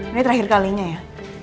ini terakhir kalinya ya